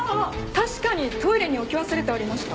確かにトイレに置き忘れてありました。